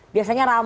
biasanya ramai loh